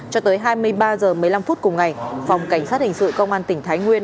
cho tới hai mươi ba h một mươi năm phút cùng ngày phòng cảnh sát hình sự công an tỉnh thái nguyên